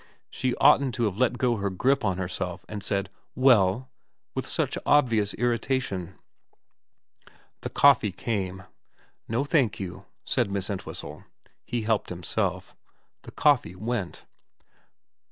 She oughtn't to have let go her grip on herself and said, ' Well ?' with such obvious irritation. The coffee came. ' No thank you,' said Miss Entwhistle. He helped himself. The coffee went.